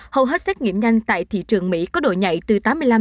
hầu hết xét nghiệm nhanh tại thị trường mỹ có độ nhạy từ tám mươi năm chín mươi năm